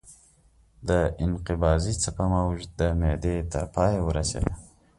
د انقباضي څپه موج د معدې تر پایه ورسېده.